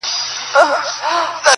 د خپلو حقوقو په غوښتنه نه پوهيږي